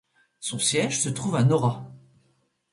Son siège se trouve à Nora.